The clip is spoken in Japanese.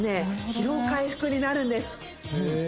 疲労回復になるんですへえ